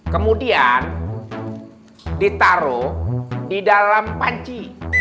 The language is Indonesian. kemudian ditaruh di dalam panci